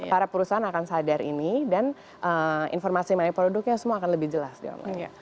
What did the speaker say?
para perusahaan akan sadar ini dan informasi mengenai produknya semua akan lebih jelas di online